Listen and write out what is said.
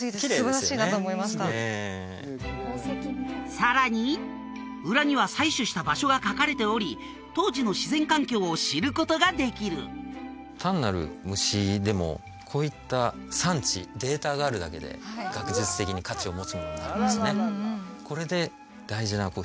さらに裏には採取した場所が書かれており当時の自然環境を知ることができる単なる虫でもこういった産地データがあるだけで学術的に価値を持つものになるんですね